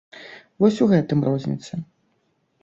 Вось у гэтым розніца.